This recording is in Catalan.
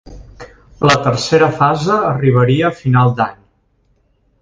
La tercera fase arribaria a final d’any.